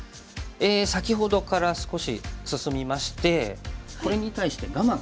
先ほどから少し進みましてこれに対して我慢。